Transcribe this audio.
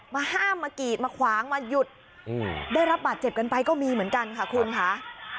มาห้ามมากีดมาขวางมาหยุดได้รับบาดเจ็บกันไปก็มีเหมือนกันค่ะคุณค่ะ